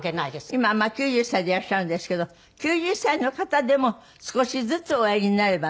今９０歳でいらっしゃるんですけど９０歳の方でも少しずつおやりになればね。